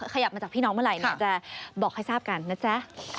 ขยับมาจากพี่น้องเมื่อไหร่จะบอกให้ทราบกันนะจ๊ะ